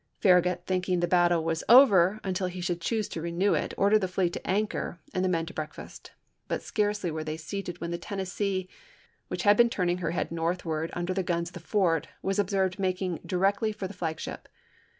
Farragut, thinking the battle was over until he should choose to renew it, ordered the fleet to anchor and the men to breakfast. But scarcely were they seated when the Tennessee, which had been turning her head northward, under the guns of the fort, was observed making directly for the flagship.